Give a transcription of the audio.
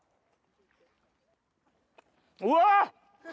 うわ！